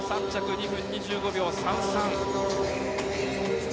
２分２５秒３３。